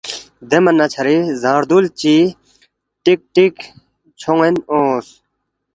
دے من نہ چَھری زانگ زدرِل چی ٹیک ٹیک چھون٘ین اونگس